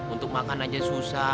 untuk makan aja susah